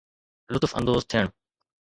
لطف اندوز ٿيڻ